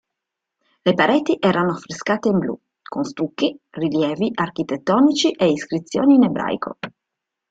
Le pareti erano affrescate in blu, con stucchi, rilievi architettonici e iscrizioni in ebraico.